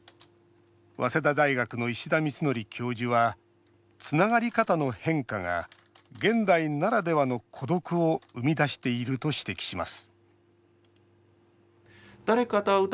早稲田大学の石田光規教授はつながり方の変化が現代ならではの孤独を生み出していると指摘します